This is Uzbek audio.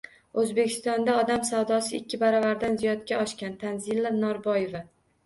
O‘zbekistonda odam savdosi ikki baravardan ziyodga oshgan — Tanzila Norboyeva